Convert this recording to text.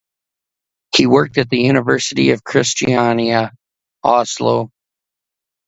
He worked at the University of Kristiania (Oslo).